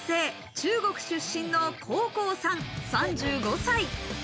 中国出身のコウ・コウさん、３５歳。